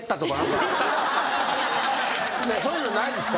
そういうのないですか？